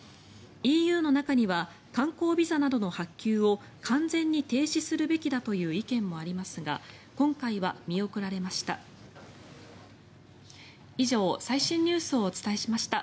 ＥＵの中には観光ビザなどの発給を完全に停止するべきだという意見もありますが今回は見送られました。